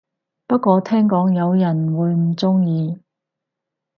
不過聽講有人會唔鍾意